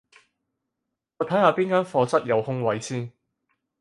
我睇下邊間課室有空位先